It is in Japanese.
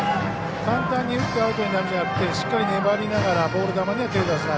簡単に打ってアウトになるんじゃなくてしっかり粘りながらボール球には手を出さない